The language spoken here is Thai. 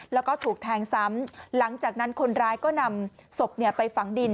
แล้วก็ถูกแทงซ้ำหลังจากนั้นคนร้ายก็นำศพไปฝังดิน